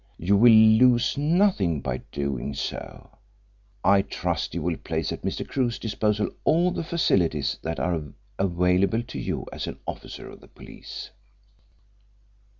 You will lose nothing by doing so. I trust you will place at Mr. Crewe's disposal all the facilities that are available to you as an officer of the police."